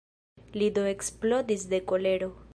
Li do eksplodis de kolero.